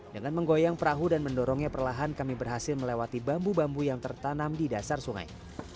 dengan menggoyang perahu dan mendorongnya perlahan kami berhasil melewati bambu bambu yang tertanam di dasar sungai